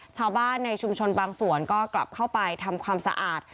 ชาวบ้านในชุมชนบางส่วนก็กลับเข้าไปทำความสะอาด